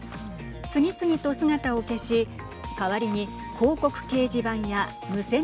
次々と姿を消し代わりに広告掲示板や無線ＬＡＮ